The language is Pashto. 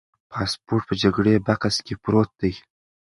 پاسپورت په جګري بکس کې پروت دی.